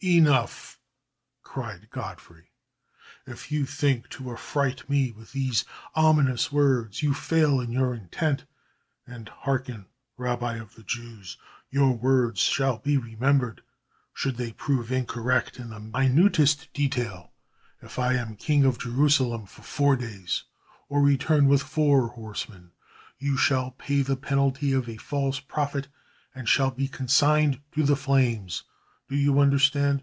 "Enough," cried Godfrey. "If you think to affright me with these ominous words, you fail in your intent. And hearken, Rabbi of the Jews, your words shall be remembered. Should they prove incorrect in the minutest detail if I am King of Jerusalem for four days, or return with four horsemen you shall pay the penalty of a false prophet and shall be consigned to the flames. Do you understand?